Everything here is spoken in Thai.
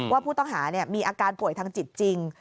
ว่าผู้ต้องหามีอาการป่วยทางจิตจริง